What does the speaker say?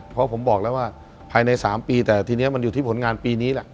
เพราะผมบอกแล้วว่าภายใน๓ปีแต่ทีนี้มันอยู่ที่ผลงานปีนี้แหละ